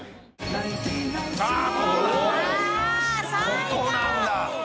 ここなんだ。